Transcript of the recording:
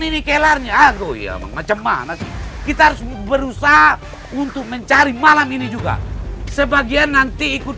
ini kelarnya macam mana sih kita harus berusaha untuk mencari malam ini juga sebagian nanti ikut